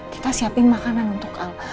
kita siapin makanan untuk al